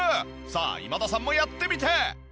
さあ今田さんもやってみて！